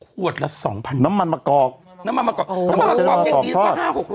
ขวดละสองพันบาทใช่ไหมน้ำมันมะกอกน้ำมันมะกอก